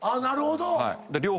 なるほど！